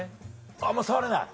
あんま触れない？